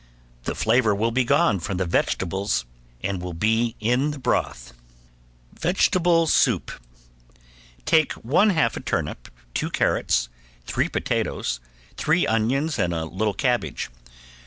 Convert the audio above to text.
The flavor will be gone from the vegetables and will be in the broth. ~VEGETABLE SOUP~ Take one half a turnip, two carrots, three potatoes, three onions and a little cabbage.